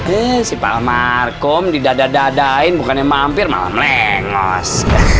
eh si bang markom didadadadain bukannya mampir malam lengos